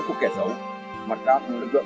của kẻ xấu mặt đáp lực lượng